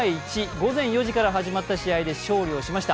午前４時から始まった試合で勝利しました。